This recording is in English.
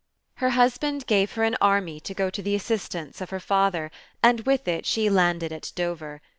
Her husband gave her an army to go to the assistance of her father, and. with it she landed at Dover.